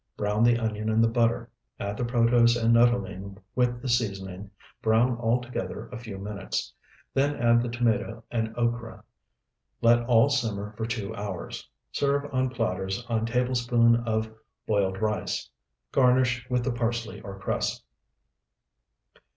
Brown the onion in the butter, add the protose and nuttolene with the seasoning; brown all together a few minutes; then add the tomato and okra; let all simmer for two hours. Serve on platters on tablespoonful of boiled rice. Garnish with the parsley or cress.